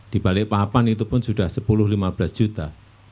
di balikpapan itu pun sudah sepuluh lima belas juta